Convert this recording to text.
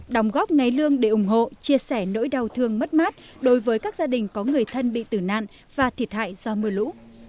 đồng góp ngay lương để ủng hộ chia sẻ nỗi đau thương mất mát đối với các gia đình có người thân bị tử nạn và thiệt hại do mưa lũ